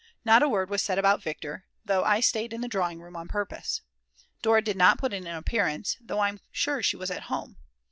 Not a word was said about Viktor, though I stayed in the drawing room on purpose. Dora did not put in an appearance, though I'm sure she was at home.